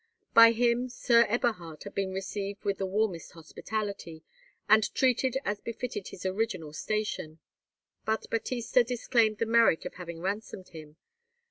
By him Sir Eberhard had been received with the warmest hospitality, and treated as befitted his original station, but Battista disclaimed the merit of having ransomed him.